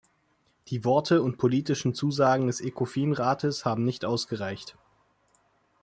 Die Worte und politischen Zusagen des Ecofin-Rates haben nicht ausgereicht.